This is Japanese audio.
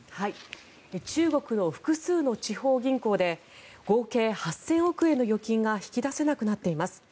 中国の複数の地方銀行で合計８０００億円の預金が引き出せなくなっています。